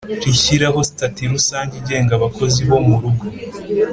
rishyiraho stati rusange igenga abakozi bo murugo